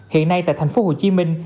hiện nay tại thành phố hồ chí minh